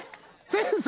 先生